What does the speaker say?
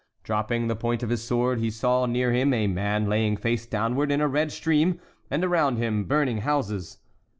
Dropping the point of his sword, he saw near him a man lying face downward in a red stream, and around him burning houses.